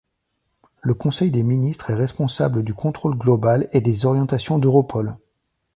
Le Conseil des ministres est responsable du contrôle global et des orientations d'Europol.